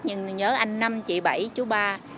nhưng nhớ anh năm chị bảy chú ba